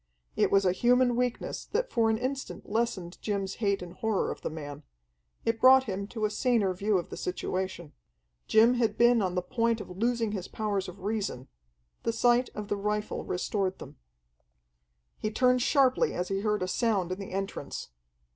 It was a human weakness that for an instant lessened Jim's hate and horror of the man. It brought him to a saner view of the situation. Jim had been on the point of losing his powers of reason. The sight of the rifle restored them. He turned sharply as he heard a sound in the entrance.